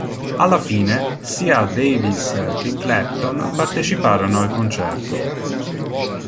Alla fine, sia Davis che Clapton parteciparono al concerto.